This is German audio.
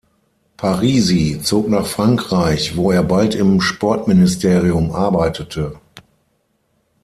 Parisi zog nach Frankreich, wo er bald im Sportministerium arbeitete.